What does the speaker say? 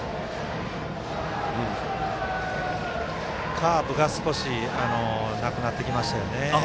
カーブが少しなくなってきました。